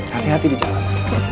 hati hati di jalan